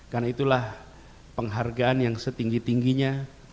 karena itulah penghargaan yang setinggi tingginya